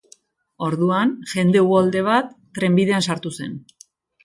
Orduan, jende uholdea bat trenbidean sartu zen.